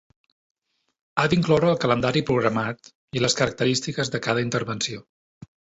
Ha d'incloure el calendari programat i les característiques de cada intervenció.